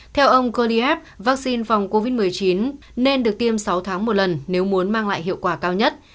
theo ông kuryab vaccine phòng covid một mươi chín nên được tiêm sáu tháng một lần nếu muốn mang lại hiệu quả cao nhất